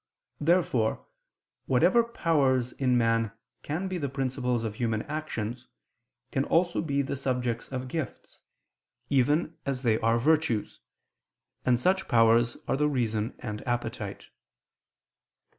Therefore whatever powers in man can be the principles of human actions, can also be the subjects of gifts, even as they are virtues; and such powers are the reason and appetite.